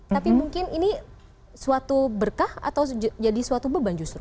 tapi mungkin ini suatu berkah atau jadi suatu beban justru